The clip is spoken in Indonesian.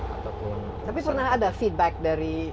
ataupun tapi pernah ada feedback dari